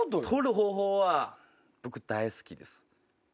取る方法は僕大好きです。